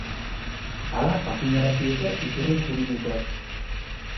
Hala jakinarazi dute iturri juridikoek.